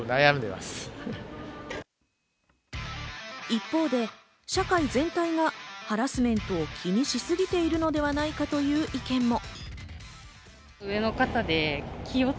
一方で、社会全体がハラスメントを気にしすぎているのではないかという意見も。